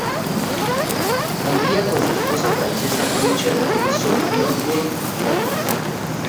Vivía con su esposa francesa Rachel en South Norwood en Londres.